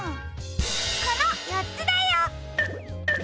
このよっつだよ！